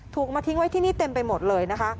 มาทิ้งไว้ที่นี่เต็มไปหมดเลยนะคะ